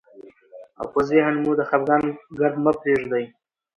او په ذهن مو د خفګان ګرد مه پرېږدئ،